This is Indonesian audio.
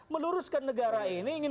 meluruskan negara ini ingin